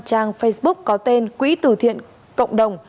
trang facebook có tên quỹ từ thiện cộng đồng